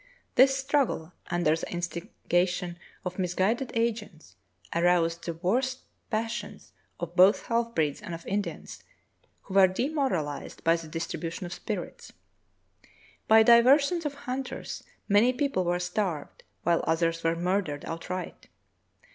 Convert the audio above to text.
This struggle, under the instiga tion of misguided agents, aroused the worst passions of both half breeds and of Indians, who were demoralized by the distribution of spirits. By diversions of hunters many people were starved, while others were murdered outright.